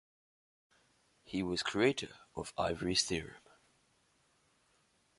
He was creator of Ivory's Theorem.